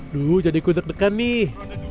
duh jadi gue deg degan nih